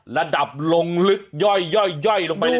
ระดับลงลึกย่อยลงไปเลย